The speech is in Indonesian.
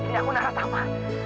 ini aku naratama